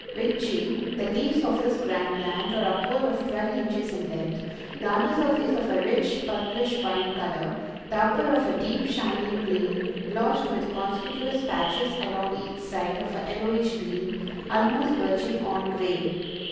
Veitchii, "The leaves of this grand plant are upward of twelve inches in length; the under surface of a rich purplish wine color, the upper of a deep shining green, blotched with conspicuous patches along each side, of a yellowish green, almost verging on gray.